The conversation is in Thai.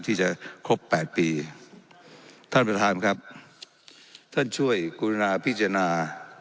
ที่จะครบแปดปีท่านประธานครับท่านช่วยกรุณาพิจารณา